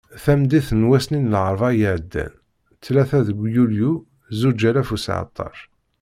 Tameddit n wass-nni n larebɛa i iɛeddan, tlata deg yulyu zuǧ alaf u seεṭac.